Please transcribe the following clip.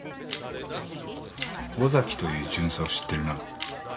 尾崎という巡査を知ってるな？